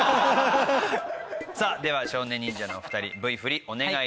さあでは少年忍者のお二人Ｖ振りお願い致します。